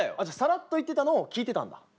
じゃあさらっと言ってたのを聞いてたんだ。